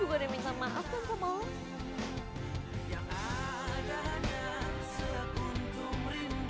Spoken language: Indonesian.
lari ngambek jangan